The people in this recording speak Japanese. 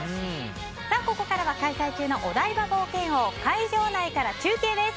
さあ、ここからは開催中のお台場冒険王、会場内から中継です。